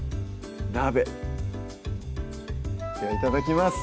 鍋いただきます